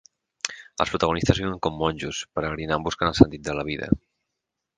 Els protagonistes viuen com monjos, peregrinant buscant el sentit de la vida.